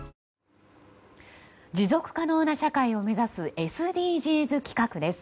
持続可能な社会を目指すＳＤＧｓ企画です。